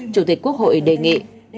chủ tịch quốc hội đề nghị